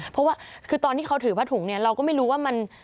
เพราะว่าคือตอนที่เขาถือผ้าถุงเนี่ยเราก็ไม่รู้ว่ามัน